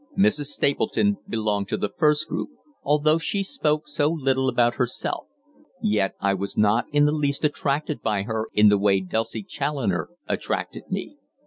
Mrs. Stapleton belonged to the first group, although she spoke so little about herself. Yet I was not in the least attracted by her in the way Dulcie Challoner attracted me.